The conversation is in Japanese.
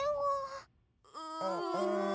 うん。